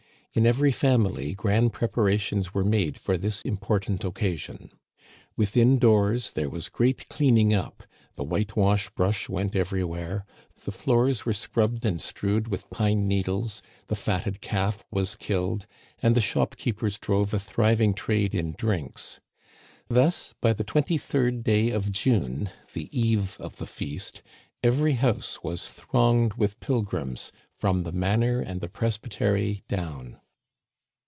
In every family grand preparations were made for this important occasion. Within doors there was great cleaning up ; the whitewash brush went everywhere ; the floors were scrubbed and strewed with pine needles ; the fatted calf was killed, and the shopkeepers drove a thriving trade in drinks. Thus by the twenty third day of June, the eve of the feast, every house was thronged with pilgrims from the manor and the presbytery down.